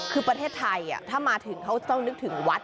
คือประเทศไทยถ้ามาถึงเขาต้องนึกถึงวัด